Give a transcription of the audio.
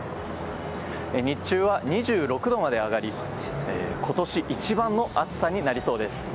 日中は２６度まで上がり今年一番の暑さになりそうです。